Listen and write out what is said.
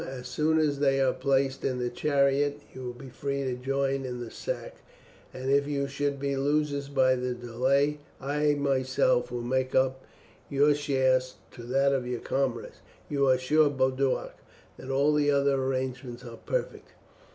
As soon as they are placed in the chariot you will be free to join in the sack, and if you should be losers by the delay, I will myself make up your share to that of your comrades. You are sure, Boduoc, that all the other arrangements are perfect?"